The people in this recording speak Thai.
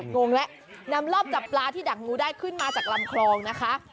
งงแล้วนำรอบจับปลาที่ดักงูได้ขึ้นมาจากลำคลองนะคะ